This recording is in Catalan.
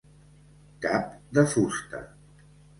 Cap de fusta.